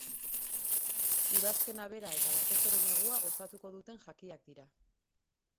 Udazkena bera eta batez ere negua gozatuko duten jakiak dira.